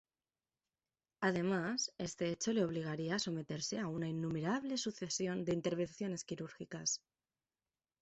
Además, este hecho le obligaría a someterse a una innumerable sucesión de intervenciones quirúrgicas.